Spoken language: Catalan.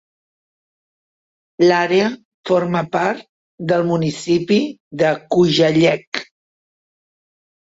L'àrea forma part del municipi de Kujalleq.